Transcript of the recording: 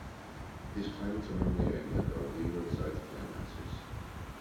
These climates are normally inland or on leeward sides of landmasses.